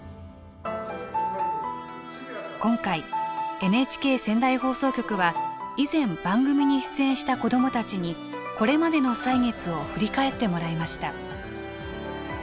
今回ＮＨＫ仙台放送局は以前番組に出演した子どもたちにこれまでの歳月を振り返ってもらいました。